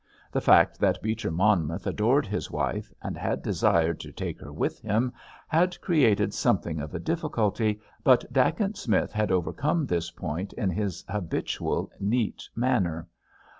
The fact that Beecher Monmouth adored his wife, and had desired to take her with him, had created something of a difficulty, but Dacent Smith had overcome this point in his habitual neat manner.